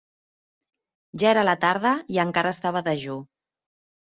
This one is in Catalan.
Ja era la tarda i encara estava dejú.